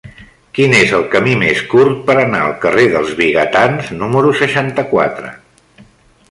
Quin és el camí més curt per anar al carrer dels Vigatans número seixanta-quatre?